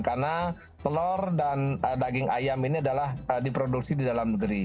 karena telur dan daging ayam ini adalah diproduksi di dalam negeri